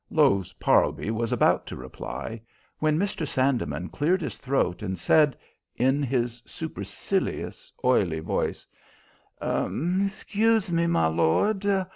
Lowes Parlby was about to reply, when Mr. Sandeman cleared his throat and said, in his supercilious, oily voice: "Excuse me, my lord.